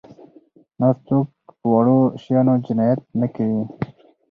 نور څوک په وړو شیانو جنایت نه کوي.